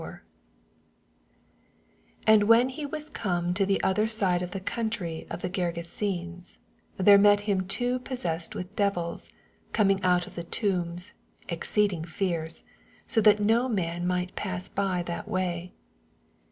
88 And when be was oome to the other side into the country of the OergeseneB, there met him two pos Beesed with devils, coming oat of the tombfi, ezoeedinff fierce, bo that no man might pass by that way.